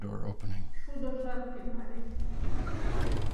Шудо жап тӱҥале.